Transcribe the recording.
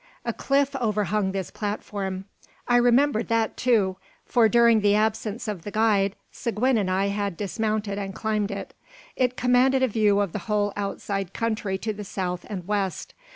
A cliff overhung this platform. I remembered that too; for during the absence of the guide, Seguin and I had dismounted and climbed it. It commanded a view of the whole outside country to the south and west.